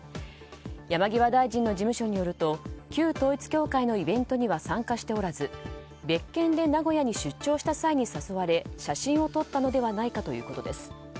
山際大臣の事務所によると旧統一教会のイベントには参加しておらず、別件で名古屋に出張した際に誘われ写真を撮ったのではないかということです。